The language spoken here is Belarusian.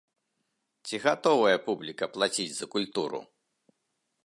Ці гатовая публіка плаціць за культуру?